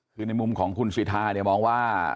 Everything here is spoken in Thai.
คือในมุมของคุณสวิทธามองว่า